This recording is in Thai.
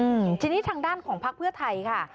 อืมทีนี้ทางด้านของพักเพื่อไทยค่ะ